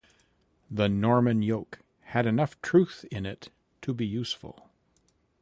"The Norman Yoke" had enough truth in it to be useful.